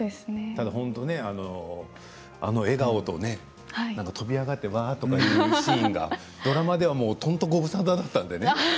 本当あの笑顔と飛び上がってわーと言うシーンはドラマではだいぶご無沙汰だったんだね。